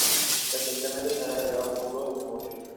Recientemente se han agregado módulos de memoria.